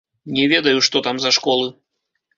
Не ведаю, што там за школы.